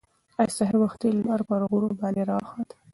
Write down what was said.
ایا سهار وختي لمر پر غرونو باندې راوخوت؟